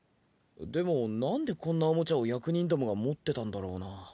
でもなんでこんなオモチャを役人どもが持ってたんだろうな？